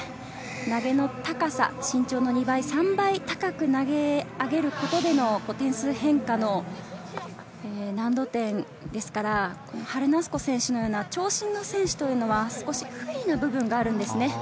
投げの高さ、身長の２倍３倍高く投げ上げることでの点数変化の難度点ですから、ハルナスコ選手のような長身の選手は、少し不利な部分があるんです。